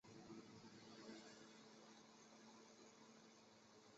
阿多诺的理论方法与他对音乐的理解有着密切联系。